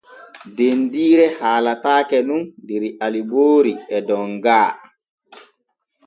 Dendiire haalete nun der Aliboori e Donga.